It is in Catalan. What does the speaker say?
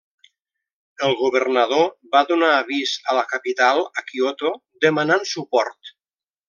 El governador va donar avís a la capital a Kyoto demanant suport.